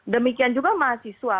demikian juga mahasiswa